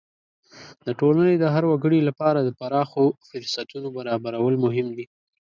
د ټولنې د هر وګړي لپاره د پراخو فرصتونو برابرول مهم دي.